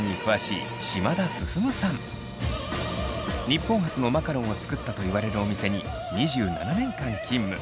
日本初のマカロンを作ったといわれるお店に２７年間勤務。